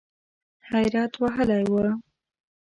حیرت وهلی و .